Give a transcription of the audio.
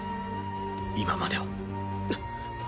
今までは。